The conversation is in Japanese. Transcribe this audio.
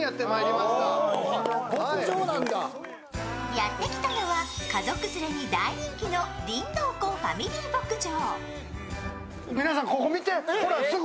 やってきたのは、家族連れに大人気のりんどう湖ファミリー牧場。